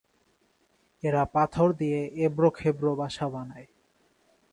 এরা পাথর দিয়ে এবড়ো-খেবড়ো বাসা বানায়।